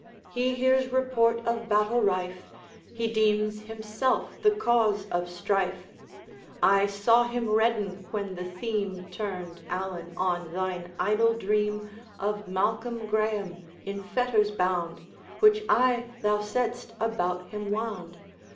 He hears report of battle rife, He deems himself the cause of strife. I saw him redden when the theme Turned, Allan, on thine idle dream Of Malcolm Graeme in fetters bound, Which I, thou saidst, about him wound.